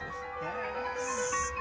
へえ。